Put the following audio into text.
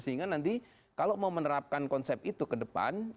sehingga nanti kalau mau menerapkan konsep itu ke depan